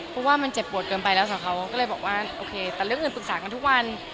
เพราะว่ามันเจ็บปวดเกินไปแล้วค่ะเขาก็เลยบอกว่าโอเคแต่เรื่องอื่นปรึกษากันทุกวัน